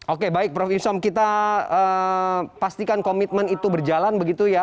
oke baik prof insom kita pastikan komitmen itu berjalan begitu ya